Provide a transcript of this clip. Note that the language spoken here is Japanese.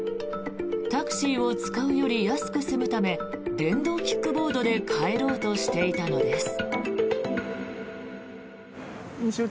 タクシーを使うより安く済むため電動キックボードで帰ろうとしていたのです。